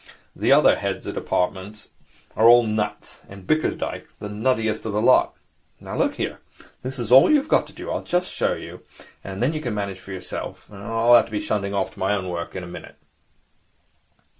The other heads of departments are all nuts, and Bickersdyke's the nuttiest of the lot. Now, look here. This is all you've got to do. I'll just show you, and then you can manage for yourself. I shall have to be shunting off to my own work in a minute.'